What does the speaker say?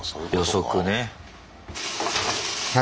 予測ね。